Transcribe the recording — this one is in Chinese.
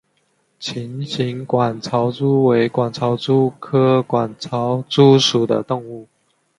琴形管巢蛛为管巢蛛科管巢蛛属的动物。